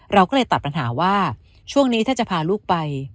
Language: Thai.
เราก็เลยตัดปัญหาว่าช่วงนี้ถ้าจะพาลูกไป